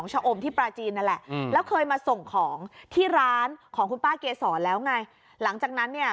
ให้อภัยก็ไม่ให้อภัย